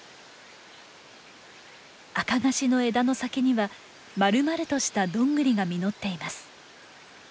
アカガシの枝の先にはまるまるとしたドングリが実っています。